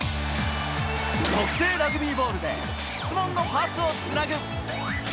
特製ラグビーボールで、質問のパスをつなぐ。